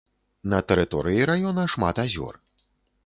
На тэрыторыі раёна шмат азёр.